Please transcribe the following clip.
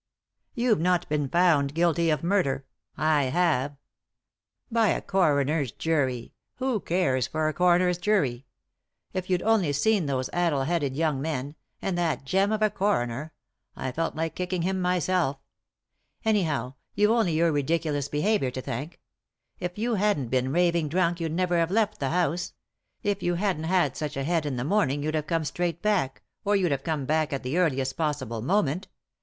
" You've not been found guilty of murder — I have. ;«y?e.c.V GOOglC THE INTERRUPTED KISS "By a coroner's jury — who cares for a coroner's jury 1 If you'd only seen those addle headed young men ; and that gem of a coroner — I felt like kicking him myself 1 Anyhow, you've only your ridiculous behaviour to thank — if you hadn't been raving drunk you'd never have left the house ; if yon hadn't had such a head in the morning you'd have come straight back, or you'd have come back at the earliest possible moment.